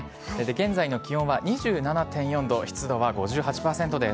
現在の気温は２７．４度、湿度は５８％です。